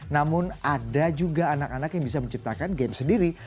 namun ada juga anak anak yang bisa menciptakan game sendiri